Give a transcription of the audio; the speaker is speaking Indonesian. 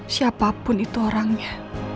siapapun itu orangnya